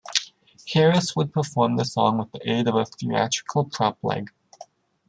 Harris would perform the song with the aid of a theatrical prop leg.